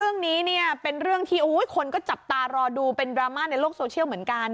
เรื่องนี้เนี่ยเป็นเรื่องที่คนก็จับตารอดูเป็นดราม่าในโลกโซเชียลเหมือนกัน